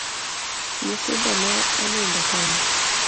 Nyithindo ne onindo kanye?